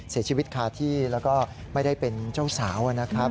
เสียชีวิตคาที่แล้วก็ไม่ได้เป็นเจ้าสาวนะครับ